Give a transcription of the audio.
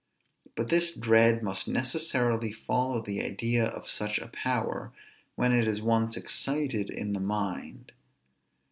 But this dread must necessarily follow the idea of such a power, when it is once excited in the mind.